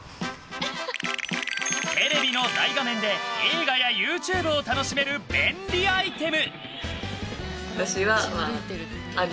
テレビの大画面で映画やＹｏｕＴｕｂｅを楽しめる便利アイテム。